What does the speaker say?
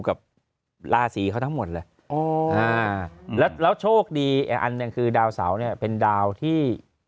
กับลาศีเขาทั้งหมดแล้วแล้วโชคดีอันนึงคือดาวเสาเป็นดาวที่